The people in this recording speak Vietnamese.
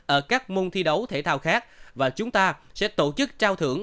ở các môn thi đấu thể thao khác và chúng ta sẽ tổ chức trao thưởng